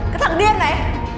cái thằng điên này